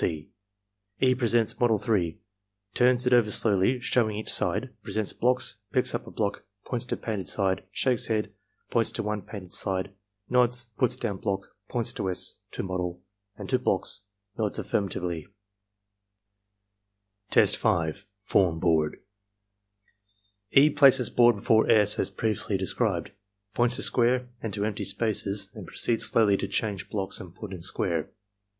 (c) E. presents model 3, turns it over slowly, showing each side, presents blocks, picks up a block, points to painted side, shakes head, points to unpainted side, nods, puts down block, points to S., to model, and to blocks, nods affirmatively. 122 ARMY MENTAL TESTS Test 6. — ^Form Board E. places board before S. as previously described, points to square and to empty spaces, and proceeds slowly to change blocks and put in square.